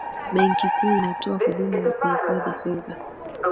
benki kuu inatoa huduma ya kuhifadhi fedha